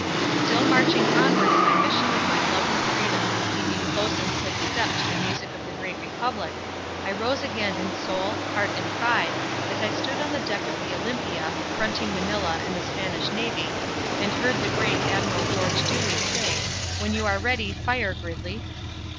Still marching onward in my mission of my love for freedom and keeping close and quick step to the music of the Great Republic, I rose again in soul, heart and pride, as I stood on the deck of the Olympia, fronting Manila and the Spanish navy, and heard the great ADMIRAL GEORGE DEWEY say: "When you are ready, fire, Gridley!"